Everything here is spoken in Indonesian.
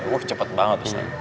wah cepat banget ustadz